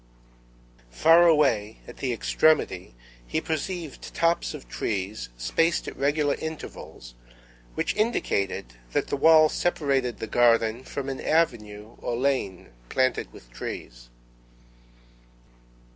Far away, at the extremity, he perceived tops of trees, spaced at regular intervals, which indicated that the wall separated the garden from an avenue or lane planted with trees.